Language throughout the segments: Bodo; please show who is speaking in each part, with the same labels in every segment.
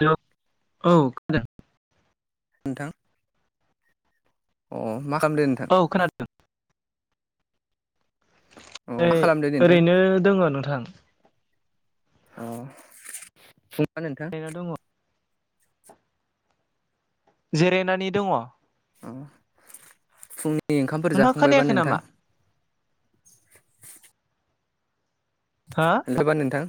Speaker 1: हेलौ औ खोना
Speaker 2: नोंथां अ मा खालामदो नोंथां
Speaker 1: खौ खोनादों
Speaker 2: अ मा
Speaker 1: ओइ
Speaker 2: खालामदो नोंथां
Speaker 1: ओरैनो दोङो नोंथां
Speaker 2: अ [unintelligible] नोंथां
Speaker 1: ओरैनो दङ जिरायनानै दङ
Speaker 2: अ फुंनि ओंखामफोर
Speaker 1: नोंथाङा
Speaker 2: जाखांबायबा
Speaker 1: खोनायाखै
Speaker 2: नोंथां
Speaker 1: नामा हा
Speaker 2: [unintelligible] नोंथां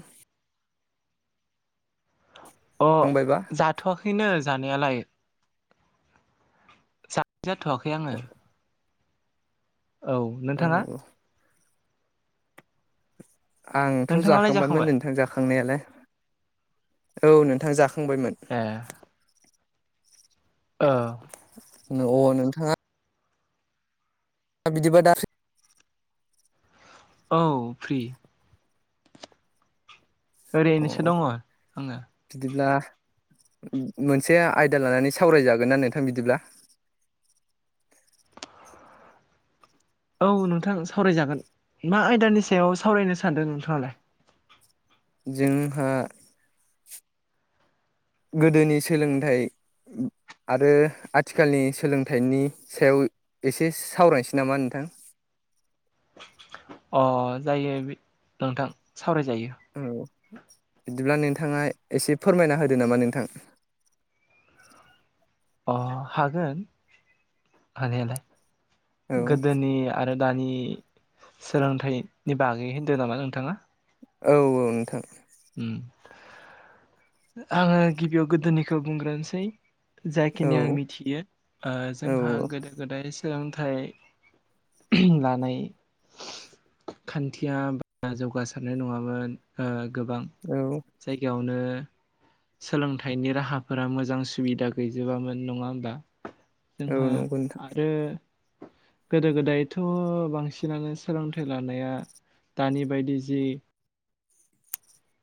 Speaker 1: अ
Speaker 2: जाखांबायबा
Speaker 1: जाथ'वाखैनो जानायालाय जाथ'वाखै आङो
Speaker 2: औ
Speaker 1: औ नोंथाङा
Speaker 2: आंथ'
Speaker 1: नोंथाङालाय
Speaker 2: जाखांबायमोन
Speaker 1: जाखांबाय
Speaker 2: नोंथां जाखांनायालाय औ नोंथां जाखांबायमोन
Speaker 1: ए ओ
Speaker 2: अ नोंथाङा दा बिदिबा दा
Speaker 1: औ फ्रि
Speaker 2: अ
Speaker 1: ओरैनोसो दङ आङो
Speaker 2: बिदिब्ला मोनसे आयदा लानानै सावरायजागोन ना नोंथां बिदिब्ला
Speaker 1: औ नोंथां सावरायजागोन मा आयदानि सायाव सावरायनो सानदों नोंथाङालाय
Speaker 2: जोंहा गोदोनि सोलोंथाइ आरो आथिखालनि सोलोंथाइनि सायाव एसे सावरायनोसै नामा नोंथां?
Speaker 1: अ जायो बिद नोंथां सावरायजायो।
Speaker 2: औ बिदिब्ला नोंथाङा एसे फोरमायना होदो नामा नोंथां।
Speaker 1: अ हागोन
Speaker 2: औ
Speaker 1: हानायालाय‌। गोदोनि आरो दानि सोलोंथाइनि बागै होन्दों नामा नोंथाङा? दा
Speaker 2: औ औ नोंथां।
Speaker 1: उम आङो गिबियाव गोदोनिखौ बुंग्रोनसै।
Speaker 2: औ
Speaker 1: जायखिनि आं मिनथियो ओ
Speaker 2: औ
Speaker 1: जोंहा गोदो गोदाय सोलोंथाइ लानाय खान्थिया बारा जौगासारनाय नङामोन। ओ गोबां
Speaker 2: औ।
Speaker 1: जायगायावनो सोलोंथाइनि राहाफोरा मोजां सुबिदा गैजोबामोन। नङा होमबा?
Speaker 2: औ
Speaker 1: जोंहा
Speaker 2: नंगौ नोंथां
Speaker 1: आरो गोदो गोदायथ' बांसिनानो सोलोंथाइ लानाया दानि बायदि जि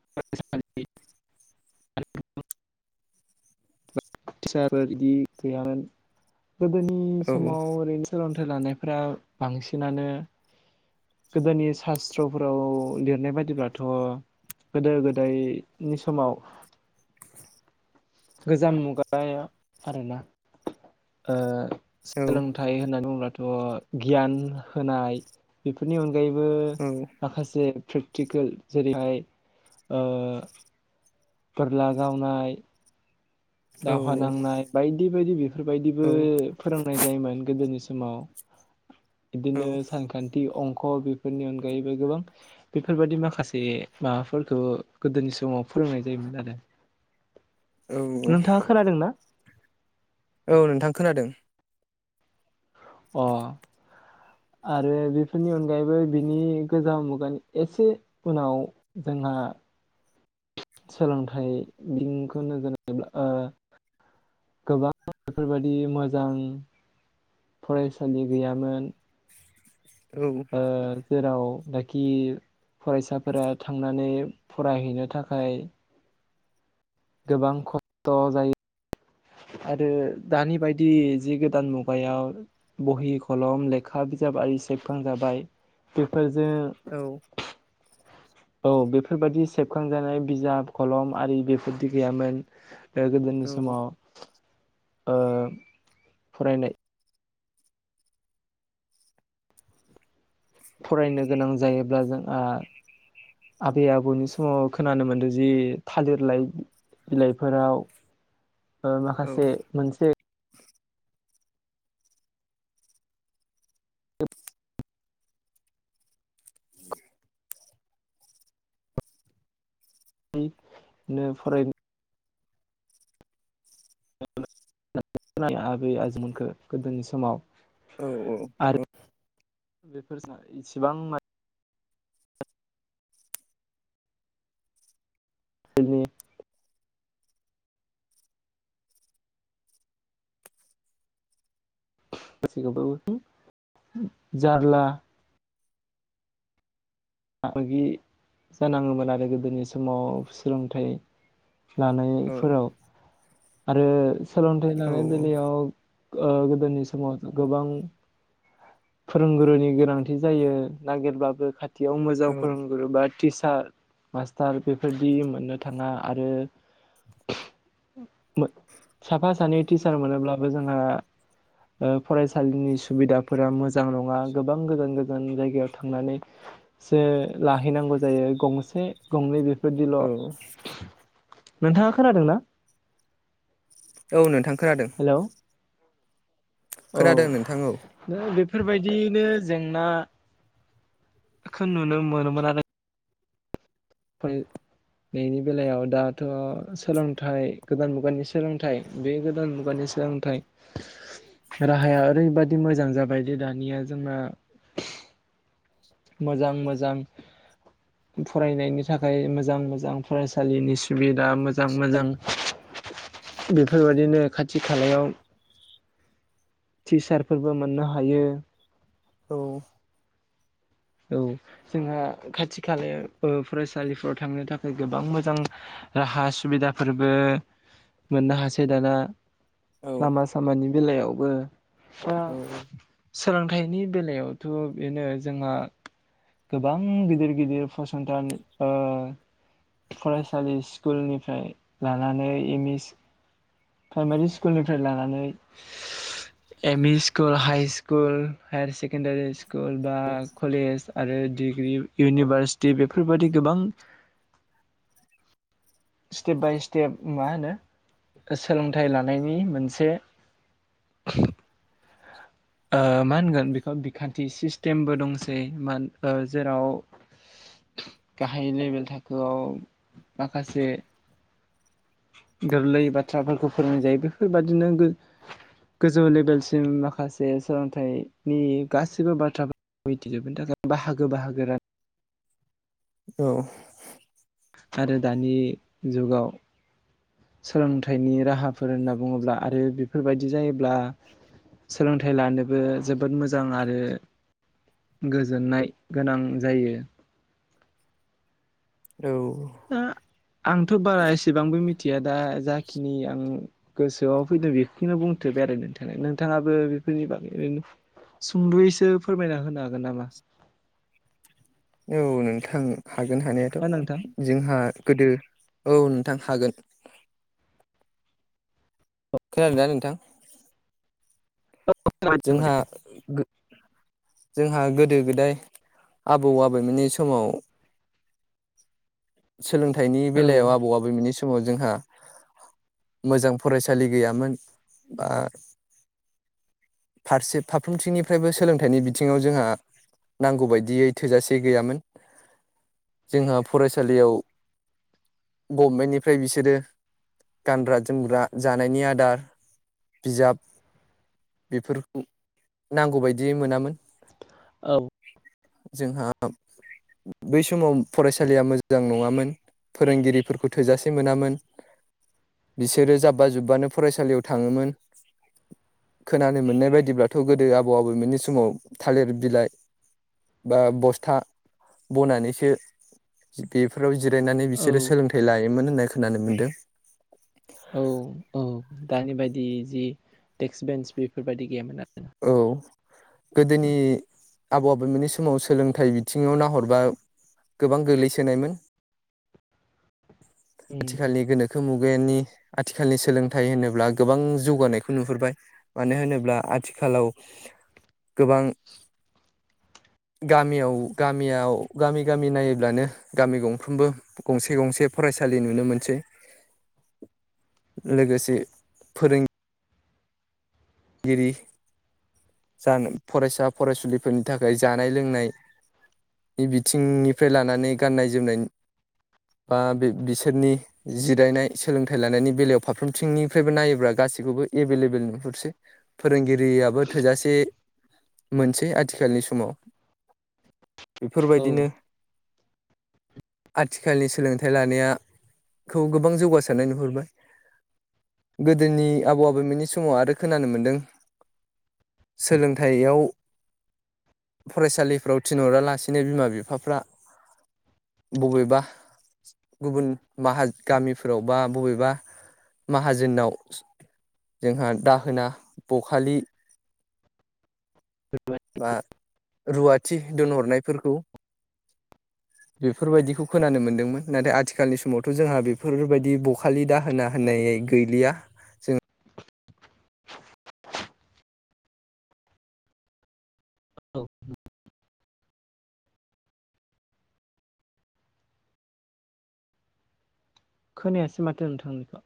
Speaker 1: [unintelligible] फिसाबो इदि गैयामोन‌। गोदोनि
Speaker 2: औ
Speaker 1: समाव ओरैन सोलोंथाइ लानायफ्रा बांसिनानो गोदोनि सास्त्रफोराव लिरनाय बायदिब्लाथ' गोदो गोदायनि समाव गोजाम मुगायाव आरोना। ओ
Speaker 2: औ
Speaker 1: सोलोंथा थाय होननानै बुङोब्लाथ' गियान होनाय आ बेफोरनि अनगायैबो
Speaker 2: औ
Speaker 1: माखासेे फ्रेक टिकोल जेरैहाय ओ बोरला गावनाय दावहा
Speaker 2: औ
Speaker 1: नांनाय बायदि बायदि बेफोरबायदिबो फोरोंनाय जायोमोन गोदोनि सिमाव
Speaker 2: औ
Speaker 1: बिदिनो सान खान्थि अंख बेफोरनि अनगायैबो गोबां बेफोरबायादि माखासे माबाफोरखौ गोदोनि समाव फोरोंनाय जायोमोन आरो।
Speaker 2: औ
Speaker 1: नोंथाङा खोनादों ना?
Speaker 2: औ नोंथां खोनादों।
Speaker 1: अ आरो बेफोरनि अनगायैबो बिनि गोजाम मुगानि एसे उनाव जोंहा सोलोंथाइ बिनखौ नोजोर लायोब्ला ओ गोबां बेफोरबायदि मोजां फरायसालि गैयामोन।
Speaker 2: औ।
Speaker 1: ओ जेराव नाखि फरायसाफोरा थांनानै फरायहैनो थाखाय गोबां ख'थ' जायो आरो दानि बायदि जि गोदान मुगायाव बहि खलम लेखा बिजाब आरि सेबखांजाबाय बेफोरजो
Speaker 2: औ
Speaker 1: औ बेफोरबायाददि सेबखांजानाय बिजाब खलम आरि बेफोरदि गैयामोन। ओ गोदोनि
Speaker 2: औ
Speaker 1: समाव ओ फरायनाय फरायनो गोनां जायोब्ला जोंआ आबै आबौनि समाव खोनानो मोन्दों जि थालिर लाइ बिलाइफोराव ओ माखासे मोनसे [unintelligible] [unintelligible] आबै-आजौमोनखौ
Speaker 2: औ
Speaker 1: आरो बेफो जोंहा इसिबां मानि बिदिनो [unintelligible] मोगा मोगि जानाङोमोन आरो गोदोनि समाव सोलोंथाइ लानायफोराव आरो सोलोंथाइ लानाय बेलायाव नोंथां। गोदोनि समाव गोबां। फोरोंगुरुनि गोनांथि जायो नागिरबाबो खाथि खायाव मोजां फोरोंगुरु बा टिचार मास्टार बेफोरदि मोननो नोंथां थाङा आरो। साफा सानै टिचार मोनोब्लाबो जोंहा फरायसालिनि सुबिदाफोरा मोजां नङा गोबां गोजान गोजान जायगायाव थांनानै। सो लाहैनांगौ जायो गंसे गंनै बेफोरदिल' नोंथाङा खोनादों ना?
Speaker 2: औ नोंथां खोनादों।
Speaker 1: हेलौ। औ।
Speaker 2: खोनादों नोंथां औ
Speaker 1: नों बेफोरबायदिनो जेंनाखो नुनो मोनोमोन आरो। ओमफ्राय फरायनायनि बेलायाव दाथ' सोलोंथाइ गोदान मुगानि सोलोंथाइ बे गोदान मुगानि सोलोंथाइ।
Speaker 2: [inaudible]
Speaker 1: राहाया ओरैबादि मोजां जाबाय दे ओ दानिया जोंना मोजां मोजां। फरायनायनि थाखाय मोजां मोजां फरायसालिनि सुबिदा मोजां मोजां।
Speaker 2: [inaudible]
Speaker 1: बेफोरबादिनो खाथि खालायाव टिचारफोरबो मोननो हायो।
Speaker 2: औ
Speaker 1: औ जोंहा खाथि खालायाव फरायसालिफ्राव थांनो थाखाय गोबां मोजां। ओ राहा सुबिदाफोरबो मोननो हासै दाना लामा सामानि बेलायावबो दा
Speaker 2: औ।
Speaker 1: सोलोंथाइनि बेलायावथ' बेनो जोंहानो ओ गोबां गिदिर गिदिर फसंथान ओ फरायसालि स्कुलनिफ्राय लानानै एम इस प्राइमारि स्कुलनिफ्राय लानानै एमि school, high school, higher secondary school बा कलेज आरो डिग्रि इउनिभारसिटि बेफोरबादि गोबां स्टेप बाय स्टेप मा होनो सोलोंथाइ लानायनि मोनसे। ओ मा होनगोन बेखौ बिखान्थि सिस्टेमबो दंसै मा जेराव ओ गाहाय लेभेल थाखोआव माखासे गोरलै बाथ्राफोरखौ फोरोंनाय जायो बेफोरबादिनो। गोजौ लेभेलसिम माखासे जे सोलोंथाइनि गासिबो बाथ्रा मिथिजोबनो थाखाय बाहागो बाहागो राना
Speaker 2: उम।
Speaker 1: आरो दानि जुगाव। सोलोंथाइनि राहाफोर होनना बुङोब्ला आरो बेफोरबायदि जायोब्ला। सोलोंथाइ लानोबो जोबोद मोजां आरो। गोजोननाय गोनां जायो।
Speaker 2: औ
Speaker 1: दा आंथ' बारा एसेबांबो मिथिया दा जाखिनि आं गोसोआव फैदों बेखौनो बुंथोबबाय आरो नोंथांनो नोंथाङाबो बेफोरनि बागै ओरैनो सुंद'यैसो फोरमायना होनो हागोन नामा?
Speaker 2: औ नोंथां हागोन
Speaker 1: हो
Speaker 2: हानायाथ'
Speaker 1: नोंथां
Speaker 2: जोंहा गोदो औ नोंथां हागोन। खोनादोंना नोंथां? जोंहा गो जोंहा गोदो गोदाय आबौ आबैमोननि समाव सोलोंथाइनि
Speaker 1: औ
Speaker 2: बेलायाव आबौ आबौमोननि स माव जोंहा मोजां फरायसालि गैयामोन बा फारसे फारफ्रोमथिंनिफ्रायबो सोलोंथाइनि बिथिङाव जोंहा नांगौ बायदियै थोजासे गैयामोन जोंहा फरायसालियाव गभमेन्टनिफ्राय बिसोरो गानग्रा जोमग्रा जानायनि आदार बिजाब बेफोर नांगौबायदि मोनामोन।
Speaker 1: औ
Speaker 2: जोंहा बै समाव फरायसालिया मोजां नङामोन। फोरोंगिरिफोरखौ थोजासे मोनामोन। बिसोरो जाब्बा जुब्बानो फरायसालियाव थाङोमोन। खोनानो मोननाय बायदिब्लाथ' गोदो आबौ आबौमोननि समाव थालिर बिलाइ ओ बा बस्था बनानैसो बेफोराव जिरायनानै बिसोरो सोलोंथाइ लायोमोन होननाय खोनानो मोन्दों।
Speaker 1: औ औ दानि बायदि जि देक्स बेन्स बेफोरबायदि गैयामोन आरोना।
Speaker 2: औ गोदोनि आबौ आबौमोननि समाव सोलोंथाइ बिदि आथिङाव नाहरबा गोबां गोग्लैसोनायमोन।
Speaker 1: उम
Speaker 2: आथिखालनि गोनोखो मुगानि आथिखालनि सोलोंथाइ होनोब्ला गोबां जौगानायखौ नुहुरबाय। मानो होनोब्ला आथिखालाव गोबां गामियाव गामियाव गामि गामि नायोबब्लानो गामि गंफ्रोमबो गंसे गंसे फरायसालि नुनो मोनसै। लोगोसे फोरों गिरि जानो फरायसा फरायसुलिफोरनि थाखाय जानाय लोंनाय बिथिंनिफ्राय लानानै गाननाय जोमनाय बा बे बिसोरनि जिरायनाय सोलोंथाइ लानायनि बेलायाव फारफ्रोमथिंनिफ्रायबो नायोब्ला गासैखौबो एभेलेबोेल नुहरसै। फोरोंगिरियाबो थोजासे मोनसै आथिखालनि समाव
Speaker 1: औ औ
Speaker 2: बेफोरबायदिनो आथिखालनि सोलोंथाइ लानायाखौ गोबां जौगासारनाय नुहुरबाय। गोदोनि आबौ आबैमोननि समाव आरो खोनानो मोनदों सोलोंथायाव फरायसालिफ्राव थिनहरालासिनो बिमा बिफाफ्रा बबेबा गुबुन माह गामिफोराव बा बबेबा माहाजोनाव जोंहा दाहोना बखालि
Speaker 1: जोबबाय
Speaker 2: बा रुवाथि दोनहरनायफोरखौ बेफोरबायदिखौ खोनानो मोन्दोंमोन नाथाय आथिखालनि समावथ' जोंहा बेफोरबायदि बखालि दाहोना होननाय गैलिया जों
Speaker 1: औ खोनायासै माथो नोंथांनिखौ?